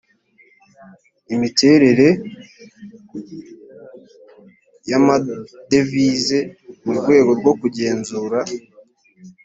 imiterere y amadevize mu rwego rwo kugenzura